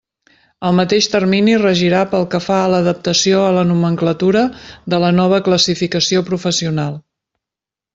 El mateix termini regirà pel que fa a l'adaptació a la nomenclatura de la nova classificació professional.